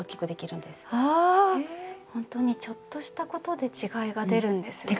ほんとにちょっとしたことで違いが出るんですね。